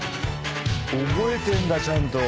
覚えてるんだちゃんと。